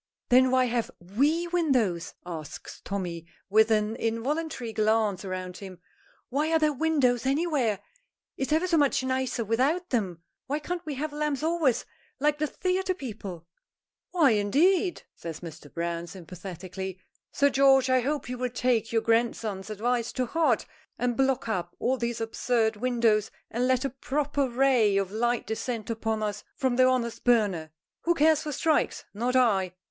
"Then why have we windows?" asks Tommy, with an involuntary glance round him. "Why are there windows anywhere? It's ever so much nicer without them. Why can't we have lamps always, like the theatre people?" "Why, indeed?" says Mr. Browne, sympathetically. "Sir George, I hope you will take your grandson's advice to heart, and block up all these absurd windows, and let a proper ray of light descend upon us from the honest burner. Who cares for strikes? Not I!"